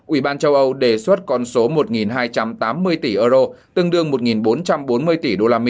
ủy ban châu âu đề xuất con số một hai trăm tám mươi tỷ euro tương đương một bốn trăm bốn mươi tỷ usd